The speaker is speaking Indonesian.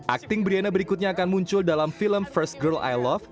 acting briana berikutnya akan muncul dalam film first girl i love